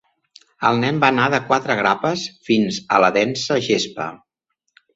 El nen va anar de quatre grapes fins a la densa gespa.